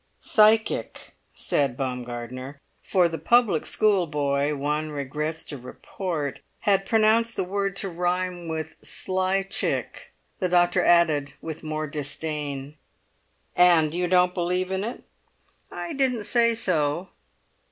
"Psychic," said Baumgartner; for the public schoolboy, one regrets to report, had pronounced the word to rhyme with sly chick. The doctor added, with more disdain: "And you don't believe in it?" "I didn't say so."